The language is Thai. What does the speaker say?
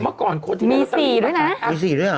เมื่อก่อนโคตรที่นักรอตรีนะครับมี๔ด้วยนะ